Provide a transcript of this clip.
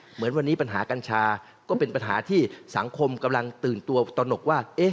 เหมือนวันนี้ปัญหากัญชาก็เป็นปัญหาที่สังคมกำลังตื่นตัวตนกว่า